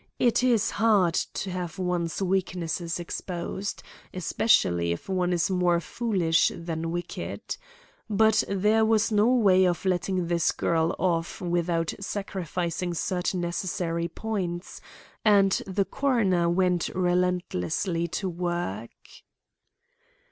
It is hard to have one's weaknesses exposed, especially if one is more foolish than wicked. But there was no way of letting this girl off without sacrificing certain necessary points, and the coroner went relentlessly to work.